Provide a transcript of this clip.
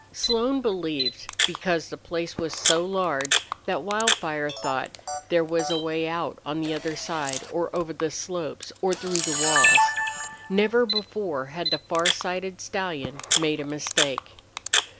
Slone believed, because the place was so large, that Wildfire thought there was a way out on the other side or over the slopes or through the walls. Never before had the farsighted stallion made a mistake.